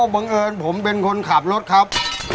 บังเอิญผมเป็นคนขับรถครับ